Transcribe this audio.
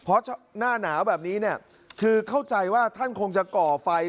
เพราะหน้าหนาวแบบนี้เนี่ยคือเข้าใจว่าท่านคงจะก่อไฟ